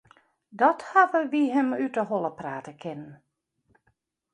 Dat hawwe wy him út 'e holle prate kinnen.